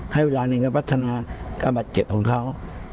ให้เวลาหนึ่งก็พัฒนาการบาดเจ็บของเขา